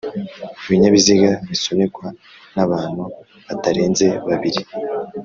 ibinyabiziga bisunikwa n'abantu batarenze babiri